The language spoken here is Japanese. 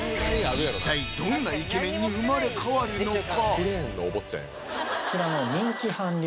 一体どんなイケメンに生まれ変わるのか？